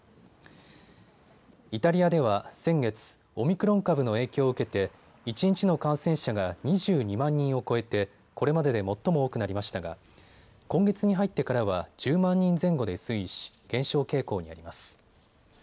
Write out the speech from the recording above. イタリアでは先月、オミクロン株の影響を受けて一日の感染者が２２万人を超えてこれまでで最も多くなりましたが今月に入ってからは１０万人前後で推移し減少傾向にあります。